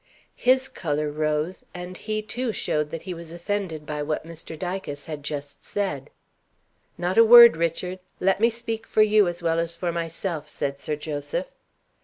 His color rose; and he too showed that he was offended by what Mr. Dicas had just said. "Not a word, Richard! Let me speak for you as well as for myself," said Sir Joseph.